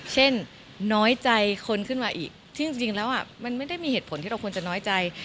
เช่นน้อยใจคนขึ้นมาอีกซึ่งจริงแล้วมันไม่ได้มีเหตุผลที่เราควรจะน้อยใจ